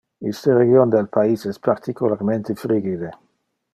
Iste region del pais es particularmente frigide.